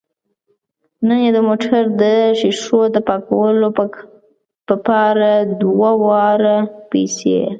نن یې د موټر د ښیښو د پاکولو په پار دوه واره پیسې